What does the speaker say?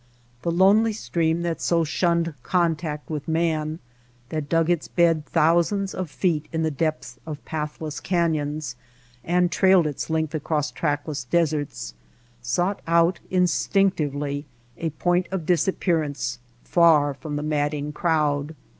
The lonely stream that so shunned contact with man, that dug its bed thousands of feet in the depths of pathless canyons, and trailed its length across trackless deserts, sought out instinctively a point of disappearance far from the madding crowd.